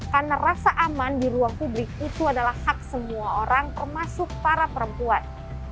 karena rasa aman di ruang publik itu adalah hak semua orang termasuk para perempuan